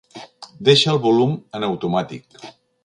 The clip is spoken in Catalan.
Deixa el volum en automàtic.